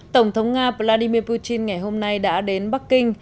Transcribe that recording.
tổng thống nga vladimir putin ngày hôm nay đã đến bắc kinh